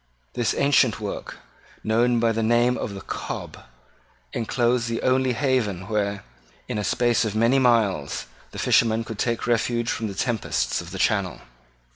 This ancient work, known by the name of the Cob, enclosed the only haven where, in a space of many miles, the fishermen could take refuge from the tempests of the Channel.